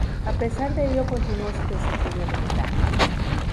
A pesar de ello continuó su desempeño militar.